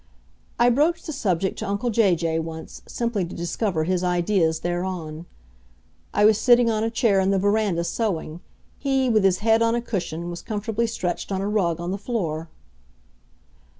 I broached the subject to uncle Jay Jay once, simply to discover his ideas thereon. I was sitting on a chair in the veranda sewing; he, with his head on a cushion, was comfortably stretched on a rug on the floor.